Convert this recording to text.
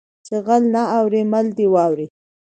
ـ چې غل نه اوړي مل دې واوړي .